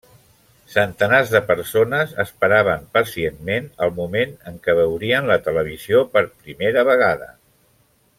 Centenars de persones esperaven pacientment el moment en què veurien la televisió per primera vegada.